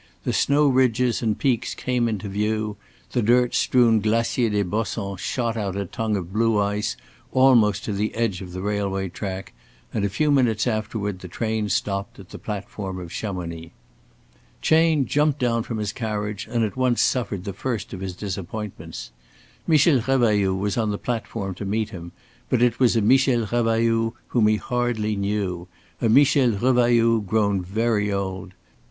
The snow ridges and peaks came into view; the dirt strewn Glacier des Bossons shot out a tongue of blue ice almost to the edge of the railway track, and a few minutes afterward the train stopped at the platform of Chamonix. Chayne jumped down from his carriage and at once suffered the first of his disappointments. Michel Revailloud was on the platform to meet him, but it was a Michel Revailloud whom he hardly knew, a Michel Revailloud grown very old.